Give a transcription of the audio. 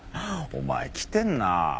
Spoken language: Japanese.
お前きてんな。